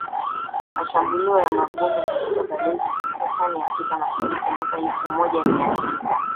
mashambulio ya mabomu katika balozi za marekani afrika mashariki mwaka elfu moja mia tisa